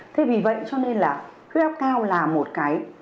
thế vì vậy cho nên là huyết áp cao là một cái